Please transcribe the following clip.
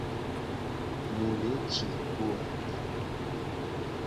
Mu le ci kpo a?